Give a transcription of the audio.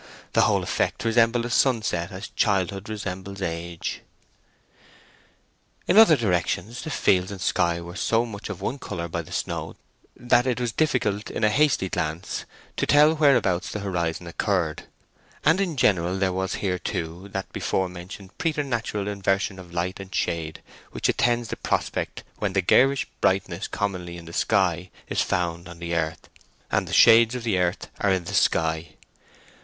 The whole effect resembled a sunset as childhood resembles age. In other directions, the fields and sky were so much of one colour by the snow, that it was difficult in a hasty glance to tell whereabouts the horizon occurred; and in general there was here, too, that before mentioned preternatural inversion of light and shade which attends the prospect when the garish brightness commonly in the sky is found on the earth, and the shades of earth are in the sky.